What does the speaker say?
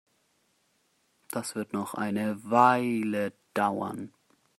Das wird noch eine Weile dauern.